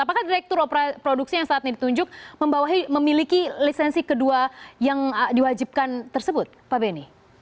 apakah direktur produksi yang saat ini ditunjuk membawahi memiliki lisensi kedua yang diwajibkan tersebut pak beni